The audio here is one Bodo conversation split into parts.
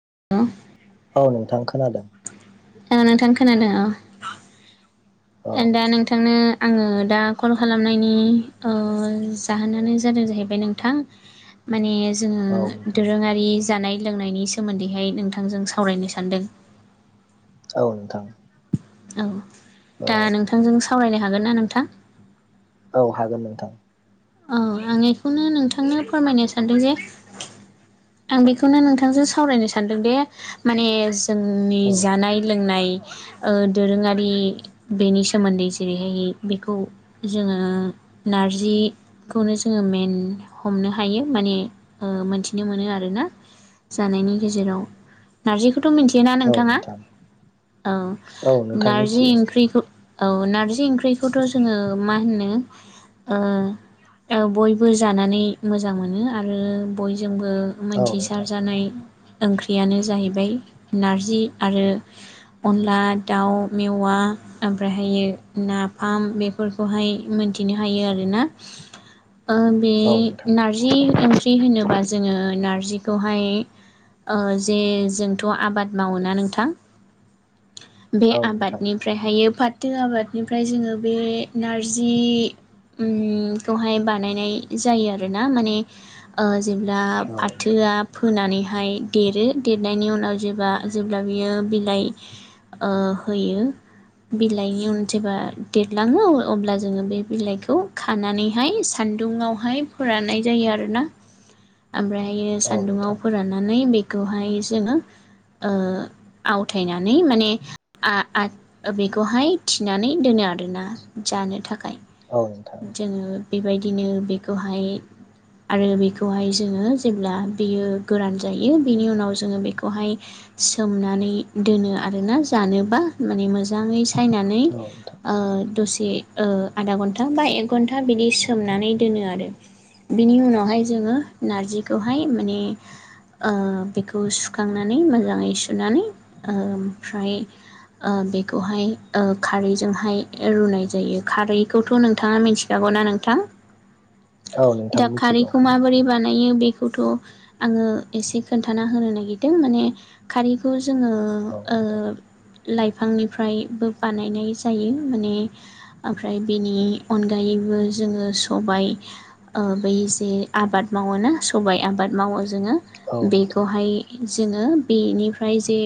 [unintelligible] औ नोंथां खोनादों नोंथां खोनादों औ औ दा नोंथांनो आंङो दा कल खालामनायनि जाहोनानो जादों जाहैबाय नोंथां माने जोंङो औ नोंथां दोरोङारि जानाय लोंनायनि सोमोन्दैहाय नोंथांजों सावरायनो सानदों औ नोंथां औ औ दा नोंथांजों सावरायनो हागोन ना नोंथां औ हागोन नोंथां औ आं बेखौनो नोंथांनो फोरमायनो सानदों जे आं बेखौनो नोंथांजों सावरायनो सानदोंदि माने जोंनि जानाय लोंनाय दोरोङारि बेनि सोमोन्दै जेरैहाय बेखौ जोंङो नारजि खौनो जोंङो मेन हमनो हायो माने मोन्थिनो मोनो आरोना जानायनि गेजेराव नारजिखौ खौथ' मिथिय ना औ नोंथांङा नोंथां औ औ नोंथां नारजि मिथियो ओंख्रिखौ औ नारजि ओंख्रिखौथ' जोंङो मा होनो बयबो जानानै मोजां मोनो आरो बय जोंबो औ नोंथां मिथिसारजानाय ओंख्रियानो जाहैबाय नारजि आरो अनला दाउ मेवा ओमफ्रायहायो नाफाम बेफोरखौहाय मोन मिथिनो हायो आरोना बे औ नोंथां नारजि ओंख्रि होनोबा जोंङो नारजि बेखौहाय जे जोंथ' आबाद मावोना नोंथां बे औ नोंथां आबादनिफ्रायहाय फाथो आबादनिफ्राय जोंङो बे नारजि ओम बे खौहाय बानायनाय जायो आरोना माने जेब्ला औ नोंथां फाथोआ होनानैहाय देरो देरनायनि उनाव जे जेब्ला बियो बिलाइ होयो बिलाइनि उन जेबब्ला देरलांङो अब्ला जोंङो बे बिलाइखौ खानानै सानदुंयावहाय फोरनाय जायो आरोना ओमफ्रायायो औ सान्दुंयाव नोंथां फोराननानै बेखौहाय जोंङो आवथायनानै माने बेखौहाय थिनानै दोनो आरोना जानो थाखाय औ नोंथां जोङो बेबायदिनो बेखौहाय आरो बेखौहाय जोंङो जेब्ला बियो गोरान जायो बिनि उनाव जोंङो बेखौहाय सोमनानै दोनो आरोना जानोब्ला माने मोजांङै सायनानै औ नोंथां दसे आधा घन्टा घन्टा बा एक घन्टा बिदि सोमनानै दोनो आरो बिनि उनावहाय जोंङो नारजिखौहाय माने बेखौ सुखांनानै मोजाङै सुनानै ओमफ्राय बेखौहाय खारैजोंहाय रुनाय जायो। खारैखौ रैखौ नोंथाङा मिथिखागौ ना नोंथां औ नोंथां दा मिथिगौ खारैखौ माबोरै बानायो बेखौथ' आङो एसे खोनथाना होनो नायगिरदों माने खारैखौ जोङो औ नोंथां ओ लाइफांनिफ्रायबो बानायनाय जायो माने ओमफ्राय बेनि अनगायैबो जोङो सबाइ बै जे आबाद मावोना सबाय आबाद मावो जोङो औ नोंथां बेखौहाय जोङो बेनिफ्राय जे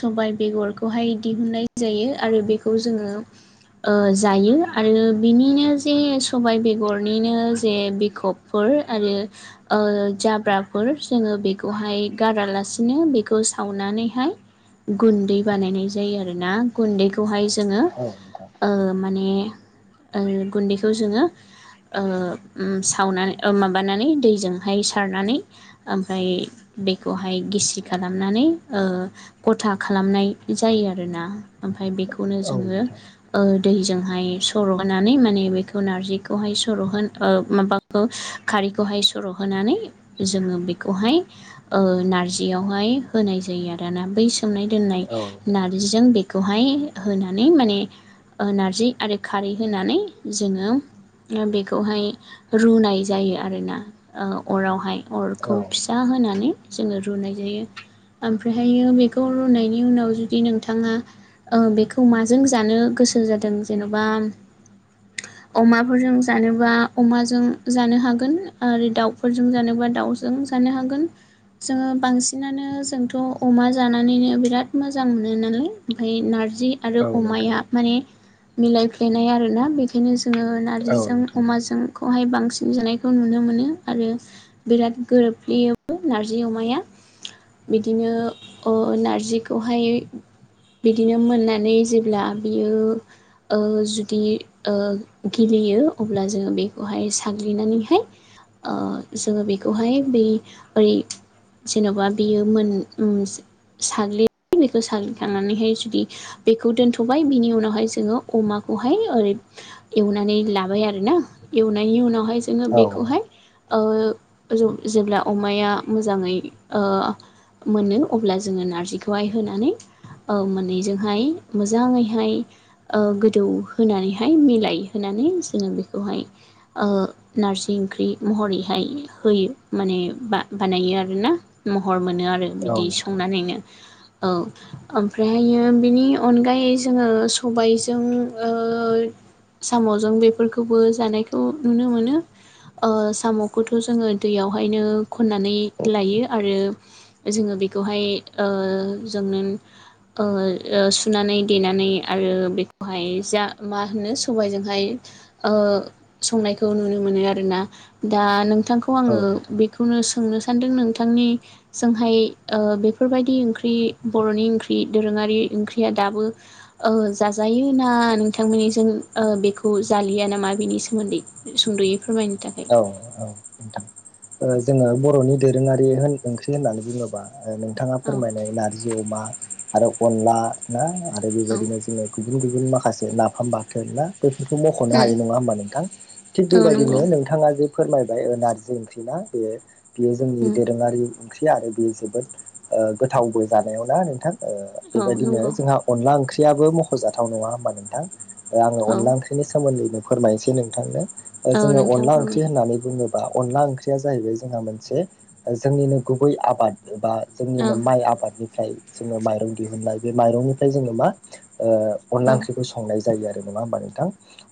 सबाइ बेगरखौहाय दिहुननाय जायो आरो। बेखौ खौ जोङो जायो। आरो बिनिनो जे सबाय बेगरनिनो जे बिखबफोर आरो जाब्राफोर जोङो बेखौहाय गारालासिनो बेखौ सावनानैहाय गुन्दै बानायनाय जायो आरोना गुन्दैखौहाय जोङो औ नोंथां माने आरो गुन्दैखौ जोङो सावनानै माबानानै दैजोंहाय सारनानै ओमफ्राय बेखौहाय गिसि खालामनानै गथा खालामनाय जायो आरोना बेखौनो औ जोङो नोंथां ओ दैजोंहाय सर' होनानै माने बेखौ नारजिखौहाय सर' माबाखौ खारैखौहाय सर' हो होनानै जोङो बेखौहाय नारजियावहाय होनाय जायो आरोना। सोमनाय दोननाय औ नोंथां नारजिजों बेखौहाय होनानै माने नारजि आरो खारै होनानै जोङो बेखौहाय रुनाय जायो आरोना अरावहाय औ अरखौ फिसा होनानै जोङो रुनाय जायो। ओमफ्रायहायो बेखौ रुनायनि उनाव जुदि नोंथाङा बेखौ माजों जानो गोसो जादों जेन'बा अमाफोरजों जानोबा अमाजों जानो हागोन आरो दाउफोरजों जानोबा दाउजों जानो हागोन जोङो बांसिनानो जोंथ' अमा जानानैनो बिराद मोजां मोनो नालाय ओमफ्राय नारजि जि आरो नोंथां अमाया माने मिलाय फ्लेनाय आरोना। बेखायनो जों जोङो औ नोंथां औ नारजिजों अमाजों खौहाय बांसिन जानायखौ नुनो मोनो आरो बिराद गोरोबफ्लेयो। नारजि अमाया बिदिनो नारजिखौहाय बिदिनो मोननानै जेब्ला बियो जुदि गेलेयो अब्ला जोङो बेखौहाय साग्लिनानैहाय जोङो बेखौहाय बे ओरै जेन'बा बियो मोन साग्लि बेखौ साग्लिखांनानैहाय जुदि बेखौ दोनथ'बाय बिनि उनावहाय जोङो अमाखौहाय ओरै एवनानै लाबाय आरोना एवनायनि उनावहाय जोङो औ बेखौहाय जेब्ला अमाया मोजाङै ओ मोनो अब्ला जोङो नारजिखौहाय होनानै मोननैजोंहाय मोजाङैहाय गोदौ होनानैहाय मिलायहोनानै जोङो बेखौहाय नारजि ओंख्रि महरै हाय होयो माने बानायो आरोना महर मोनो आरो नोंथां औ बिदि नोंथां संनानैनो औ ओमफ्राहायो बिनि अनगायै जोङो। खबाइजों ओ साम'जों बेफोरखौबो जानायखौ नुनो मोनो साम'खौथ' जोङो दैयावहायनो खननानै लायो आरो जोङो। बेखौहाय जोंनो सुनानै देनानै आरो बेखौहाय जा मा होनो सबायजोंहाय ओ संनायखौ नुनो मोनो। मोन आरोना दा नोंथांखौ आङो बेखौनो सोंनो सानदों नोंथांनि जोंहाय ओ बेफोरबायदि ओंख्रि बर'नि ओंख्रि दोरोङारि ओंख्रिया दाबो ओ जाजायो ना नोंथांमोननिजों बेखौ जालिया नामा बेनि सोमोनदै सुंद'यै फोरमायनो थाखाय औ औ नोथां ओ जोङो बर'नि दोरोङारि होन ओंख्रि होननानै बुङोब्ला। नोंथाङा औ फोरमायनाय नारजि अमा आरो अनला ना आरो औ बेबायदिनो जोङो। गुबुन गुबुन माखासे नाफाम बाथोन ना बे खौ मख'नो उम हायो नङा होनबा नोंथां थिग औ बेबायदि नंगौ नोंथां फोरमायबाय नारजि ओंख्रि ना बे बेयो जोंनि उम दोरोङारि ओंख्रि आरो बेयो जोबोद गोथावबो जानायाव ना नोंथां ओ औ बेबायदिनो नंगौ जोंहा अनला ओंख्रि ओंख्रियाबो मख'जाथाव नङा होमबा नोंथां आङो औ अनला ओंख्रिनि सोमोनदैनो फोरमायनोसै नोंथांनो। औ जोङो नोंथां अनला ओंख्रि फोरमाय होननानै बुङोबा। अनला ओंख्रिया जाहैबाय जोंहा मोनसे जोंनिनो गुबै आबाद एबा जोंनिनो औ माइ आबादनिफ्राय जोङो माइरं दिहुननाय बे माइरंनिफ्राय जोङो मा। ओ अनला औ ओंख्रिखौ संनाय जायो आरो नङा होमबा नोंथां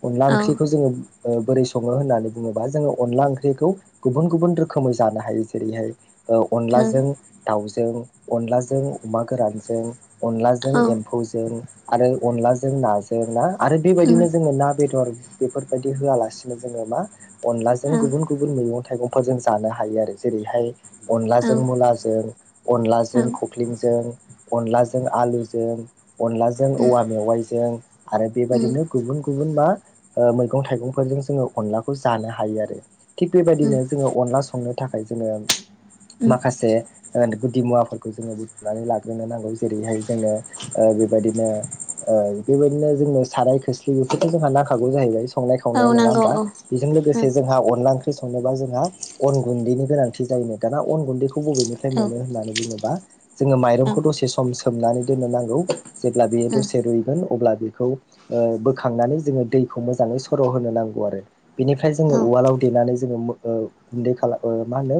अनला औ ओंख्रिखौ जोङो बोरै सङो होननानै बुङोबा जोङो अनला ओंख्रिखौ गुबुन गुबुन रोखोमै जानो हायो जेरैहाय ओ औ अनलाजों दाउजों, अनलाजों अमा गोरानजों अनलाजों औ एमफौजों आरो अनलाजों नाजों ना। आरो उम बेबायदिनो जोङो ना बेदर बेफोरबायदि होयालासिनो जोङो मा अनलाजों औ गुबुन गुबुन मैगं थाइगंफोरजों जानो हायो आरो जेरैहाय औ औ अनलाजों मुलाजों अनलाजों उम खख्लिंजों अनलाजों आलुजों अनलाजों उम औवा मेवाइजों आरो बेबायदिनो उम गुबुन गुबुन मा ओ मैगं-थाइगंफोरजों जोङो अनलाखौ जानो हायो आरो थिग बेबायदिनो जोङो अनला संनो थाखाय जोङो उम माखासे ओ। गुदि मुवाफोरखौ जोङो बुथुमनानै लाग्रोनो नांगौ जेरैहाय जोंनो ओ बेबायदिनो ओ बेबायदिनो जोंनो साराय खोस्लि बेफोरथ' जोंहा नांखागौ जाहैबाय संनाय औ खावनायाव नङा नांगौ होमबा। औ बेजों उम लोगोसे जोंहा अनला ओंख्रि संनोबा जोंहा अन गुनदैनि गोनांथि जायो दाना अन गुैनदैखौ बबेनिफ्राय औ मोनो होननानै बुङोबा जोङो उम औ उम माइरंखौ दसे सम सोमनानै दोननो नांगौ जेब्ला बेयो दसे रुइगोन अब्ला बेखौ ओ बोखांनानै जोङो दैखौ मोजाङै सर' होनो नांगौ आरो। बेनिफ्राय जोङो उवालाव देनानै जोङो ओ गुनदै खालामो मा होनो?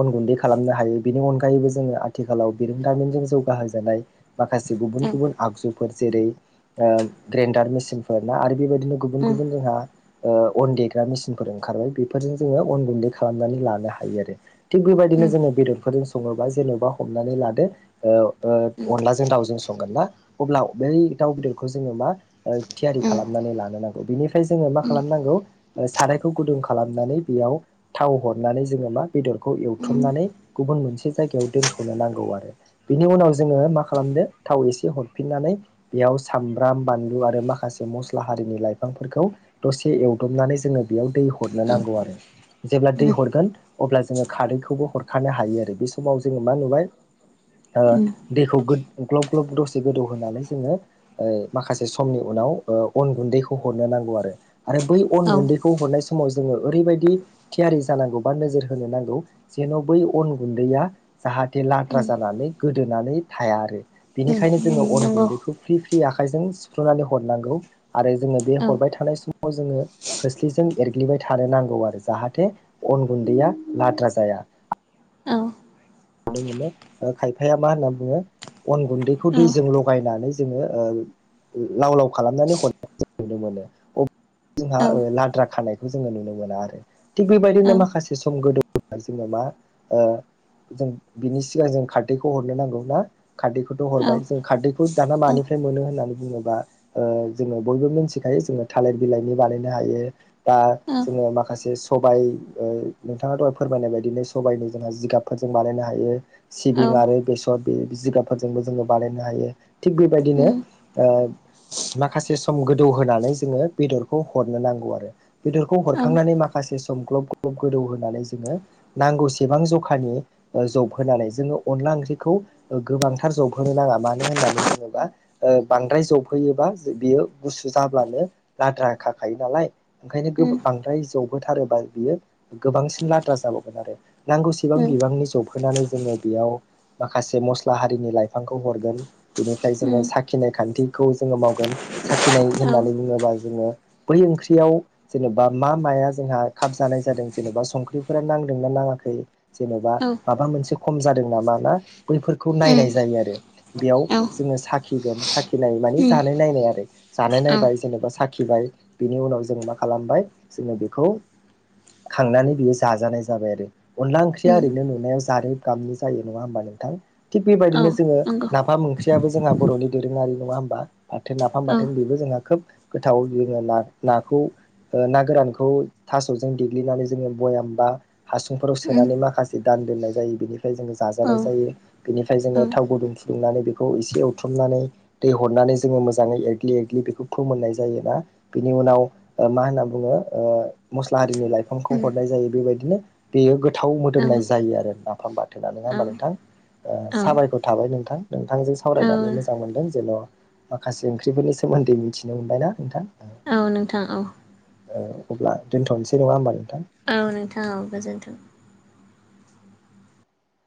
अन गुनदै खालामनो हायो बेनि अनगायैबो जोङो आथिखालाव बिरोंदामिनजों जौगाहो जानाय माखासे गुबुन गुबुन आगजुफोर जेरै ओ ग्रेडार मेसिनफोर ना आरो। बेबायदिनो गुबुन उम गुबुन जोंहा ओ अन देग्रा मेसिनफोर ओंखारबाय बेफोरजों जोङो अन गुनदै खालामनानै लानो हायो आरो। थिग बेबायदिनो जोङो बेदरफोरजों सङोबा जेन'बा हमनानै लादो ओ ओ उम अनलाजों दाउजों संगोन ना अब्ला बै दाउ बेदरखौ जोङो मा थियारि उम खालामनानै लानो नांगौ बेनिफ्राय जोङो मा उम खालामनांगौ। सारायखौ गुदुं खालामनानै बेयाव थाव हरनानै जोङो मा बेदरखौ उम एवथ्रुमनानै गुबुन मोनसे जायगायाव दोनथ'नो नांगौ आरो बिनि उनाव जोङो मा खालामदो थाव एसे हरफिननानै। बेयाव सामब्राम बानलु आरो माखासे मस्ला हारिनि लाइफांफोरखौ दसे एवदबनानै जों जोङो बेयाव दै हरनो औ नांगौ आरो जेब्ला दै उम हरगोन अब्ला जोङो खारैखौबो हरखानो हायो आरो बे समाव जोङो मा नुबाय औ ओ दैखौ ग्लब ग्लब दसे गोदौ होनानै जोङो ओ माखासे समनि उनाव ओ अन गुनदैखौ हरनो नांगौ आरो आरो बै अन औ गुनदैखौ समाव जोङो ओरैबायदि थियारि जानांगौ बा नोजोर होनो नांगौ जेन' बै अन गुन्दैया जाहा बे लाद्रा उम जानानै गोदोनानै थाया आरो उम बेनिखायनो जोङो अन नंगौ गुन्दैखौ फ्रि फ्रि आखाइजों सिफ्र्लुनानै हरनांगौ आरो जोङो बे औ हरबाय थानाय समाव जोङो खोस्लिजों एरग्लिबाय थानो नांगौ आरो जाहाथे अन गुन्दैया लाद्रा जाया औ नुनो मोनो ओ खायफाया मा होनना बुङो अन गुन्दैखौ औ दैजों लगायनानै जोङो ओ लाव लाव खालामनानै हरनाय नुनो मोनो अ जोंहा लाद्रा खानायखौ जोङो नुनो मोना आरो थिग औ बेबायदिनो माखासे सम गोदो जोङो मा ओ जों बिनि सिगां जों खारदैखौ हरनो नांगौ ना खारदैखौथ' हरबाय जों खारदैखौ दाना मानिफ्राय मोनो होननानै बुङोबा ओ जोङो बयबो मिथिखायो जोङो थालिर बिलाइनि बानायनो हायो दा औ जोङो माखासे सबाय ओ नोंथाङा दहाय फोरमायनाय बायदिनोै सबायाइनि जोंहा जिगाब फोरजों बानायनो हायो औ सिबिं आरो बेसर बे जिगाबफोरजोंबो जोङो बानायनो हायो थिग बेबायदिनो उम ओ माखासे सम गोदौ होनोनानै जोङो बेदरखौ हरनो नांगौ आरो बेदरखौ औ उम हरखांनानै माखासे सम ग्लब ग्लब गोदौ होनानै जोङो नांगौसेबां जखानि जब होनानै जोङो अनला ओंख्रिखौ गोबांथार जब होनो नाङा मानो होननानै बुङोबा ओ बांद्राय जबहोयोबा बियो गुसु जाब्लानो लाद्राखाखायो नालाय ओंखायनो गो उम बांद्राय जबहोथारोबा बियो गोबांसिन लाद्रा जाबावगोन आरो नांगौ उम औ उम औ बिबांनि जौफैनानै जोङो बेयाव माखासे मस्ला हारिनि लाइफांखौ हरगोन बिनिफ्राय जोङो साखिनाय खान्थिखौ जोङो मावगोन साखिनाय होननानै बुङोबा जोङो बै ओंख्रियाव जेनेबा मा माया जोंहा खाबजानाय जादों जेन'बा संख्रिफोरा नांदोंना नाङाखै जेन'बा उम माबा मोनसे खम जादों नामा ना बैफोरखौ नायनाय जायो आरो बेयाव औ जोङो साखिगोन सा खिनाय मानि जानाय नायनाय आरो जानाय नायबाय जेनेबा सा खिबाय बिनि उनाव जों मा खालामबाय जोङो बेखौ खांनानै बियो जाजानाय जाबाय आरो अनला ओंख्रि या उम ओरै नुनायाव जारेद गाबनि जायो नङा होमबा नोंथां थिग औ बेबायदिनो जोङो नंगौ नाफाम ओंख्रियाबो जों जोंहा बर'नि दोरोङारि नङा होमबा बाथोन नाफाम औ बाथोन बेबो जोंहा खोब गोथाव जोङो ना नाखौ ओ ना गोरानखौ थास'जों देग्लिनानै जोङो भयाम बा हासुंफोराव उम सोनानै माखा खासे दान दोननाय जायो बेनिफ्राय जोङो औ जाजानाय उम जायो बेनिफ्राय जोङो औ थाव गुदुं फुदुंनानै बेखौ एसे ए थ्रमनानै दै हरनानै जोङो मोजाङै एरग्लि एरग्लि बेखौ फोमोननाय जायोना बिनि उनाव मा होनना बुङो ओ मस्ला दिनै लाइफांखौ हरनाय जायो बेबायदिनो बेयो गोथाव औ मोदोमनाय जायो आरो नाफाम बाथो थोना नङा औ होमबा नोंथां साबायखर थाबाय नोंथां नोंथांजों औ सावरायनानै मोजां मोनदों जेन' माखासे ओंख्रिफोरनि सोमोन्दै मिथिनो मोनबायना नोंथां औ नोंथां औ अ अब्ला दोनथ'नोसै नङा होमबा नोथां औ नोंथाङ औ गोजोन्थों